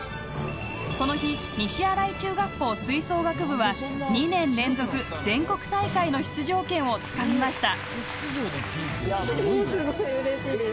この日、西新井中学校吹奏楽部は２年連続全国大会の出場権をつかみました。